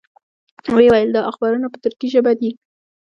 وې ویل دا اخبارونه په تُرکي ژبه دي.